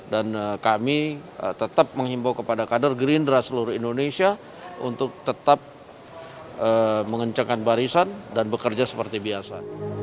dan kami tetap menghimbau kepada kader gerindra seluruh indonesia untuk tetap mengencangkan barisan dan bekerja seperti biasa